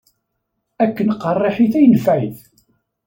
Akken qerriḥit ay nefɛit.